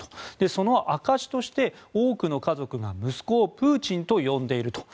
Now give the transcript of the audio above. その証しとして多くの家族が息子をプーチンと呼んでいる。